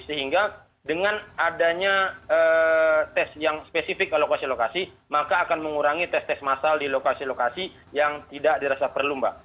sehingga dengan adanya tes yang spesifik alokasi lokasi maka akan mengurangi tes tes masal di lokasi lokasi yang tidak dirasa perlu mbak